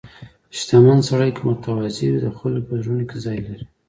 • شتمن سړی که متواضع وي، د خلکو په زړونو کې ځای لري.